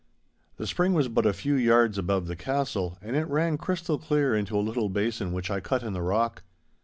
The spring was but a few yards above the castle, and it ran crystal clear into a little basin which I cut in the rock.